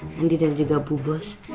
nanti ada juga bu bos